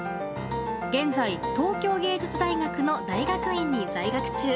現在東京藝術大学の大学院に在学中。